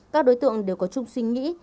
các đối tượng đều có chung suy nghĩ